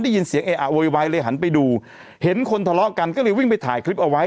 ได้ยินเสียงเออะโวยวายเลยหันไปดูเห็นคนทะเลาะกันก็เลยวิ่งไปถ่ายคลิปเอาไว้